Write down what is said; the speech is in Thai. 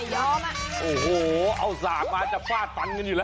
ยอมอ่ะโอ้โหเอาสากมาจะฟาดฟันกันอยู่แล้ว